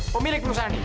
pemilik perusahaan ini